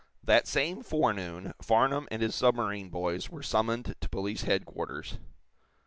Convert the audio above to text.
That same forenoon Farnum and his submarine boys were summoned to police headquarters.